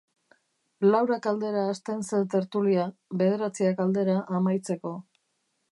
Laurak aldera hasten zen tertulia, bederatziak aldera amaitzeko.